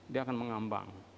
dia akan mengambang